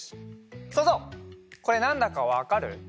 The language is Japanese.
そうぞうこれなんだかわかる？